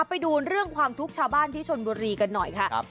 ไปดูเรื่องความทุกข์ชาวบ้านที่ชนบุรีกันหน่อยค่ะ